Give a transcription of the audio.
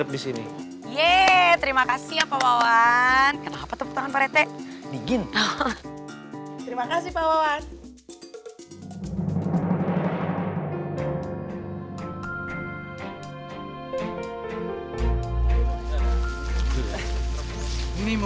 di sini takut mi